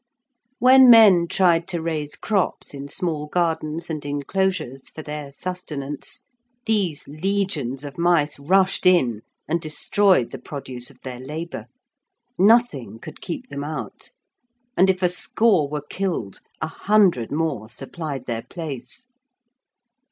When men tried to raise crops in small gardens and enclosures for their sustenance, these legions of mice rushed in and destroyed the produce of their labour. Nothing could keep them out, and if a score were killed, a hundred more supplied their place.